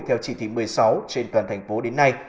theo chỉ thị một mươi sáu trên toàn thành phố đến nay